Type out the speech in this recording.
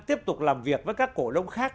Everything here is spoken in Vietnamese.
tiếp tục làm việc với các cổ đông khác